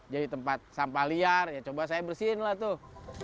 jadi tempat sampah liar ya coba saya bersihin lah tuh